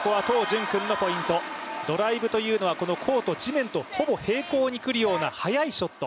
ドライブというのはコート、地面とほぼ並行にくるような速いショット。